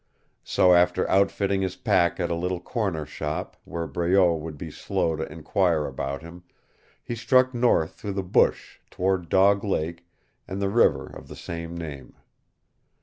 So after outfitting his pack at a little corner shop, where Breault would be slow to enquire about him, he struck north through the bush toward Dog Lake and the river of the same name.